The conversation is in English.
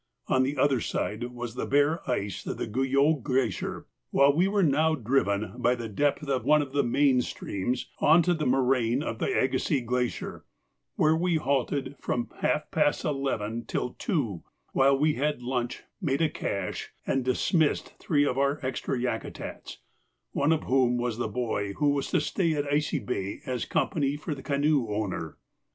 On the other side was the bare ice of the Guyot Glacier, while we were now driven by the depth of one of the main streams on to the moraine of the Agassiz Glacier, where we halted from half past eleven till two, while we had lunch, made a cache, and dismissed our three extra Yakutats, one of whom was the boy who was to stay at Icy Bay as company for the canoe owner.